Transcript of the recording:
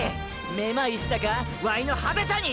めまいしたかワイの派手さに！！